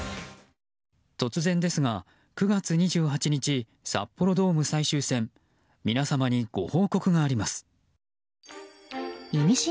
突然ですが９月２８日、札幌ドーム最終戦皆様にご報告があります。